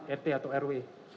et atau rw